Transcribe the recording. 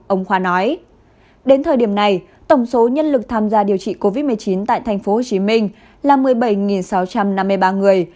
ông khoa nói đến thời điểm này tổng số nhân lực tham gia điều trị covid một mươi chín tại tp hcm là một mươi bảy sáu trăm năm mươi ba người